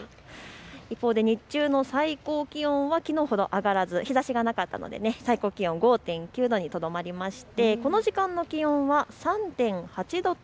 一方で日中の最高気温はきのうほど上がらず日ざしがなかったので最高気温は５．９度にとどまりました。